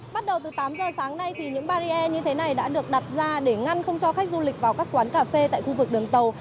bắt đầu từ tám giờ sáng nay thì những barrier như thế này đã được đặt ra để ngăn không cho khách du lịch vào các quán cà phê tại khu vực đường tàu